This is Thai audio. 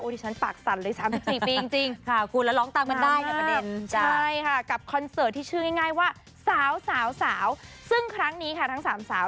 โอดิชั่นฝากสั่นเลย๓๔ปีจริง